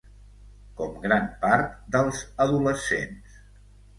Com gran part dels adolescents...